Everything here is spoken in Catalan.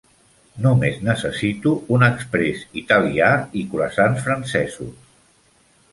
Només necessito un exprés italià i croissants francesos.